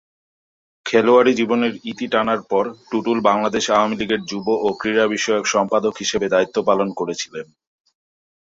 খেলোয়াড়ি জীবনের ইতি টানার পর, টুটুল বাংলাদেশ আওয়ামী লীগের যুব ও ক্রীড়া বিষয়ক সম্পাদক হিসেবে দায়িত্ব পালন করেছিলেন।